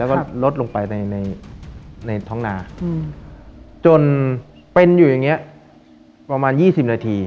แล้วก็ลดลงไปในท้องนาจนเป็นอยู่อย่างนี้ประมาณ๒๐นาที